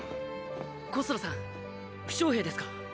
コスロさん負傷兵ですか？